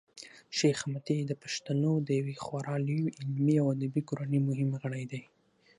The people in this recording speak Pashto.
شېخ متي د پښتنو د یوې خورا لويي علمي او ادبي کورنۍمهم غړی دﺉ.